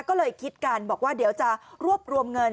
ก็เลยคิดกันบอกว่าเดี๋ยวจะรวบรวมเงิน